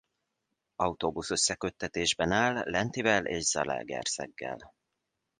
Autóbusz-összeköttetésben áll Lentivel és Zalaegerszeggel.